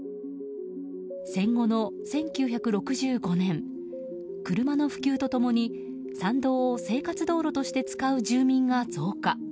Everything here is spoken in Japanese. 戦後の１９６５年車の普及と共に参道を生活道路として使う住民が増加。